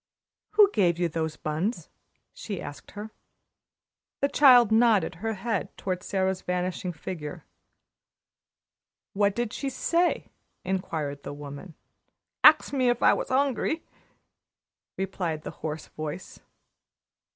"Who gave you those buns?" she asked her. The child nodded her head toward Sara's vanishing figure. "What did she say?" inquired the woman. "Axed me if I was 'ungry," replied the hoarse voice.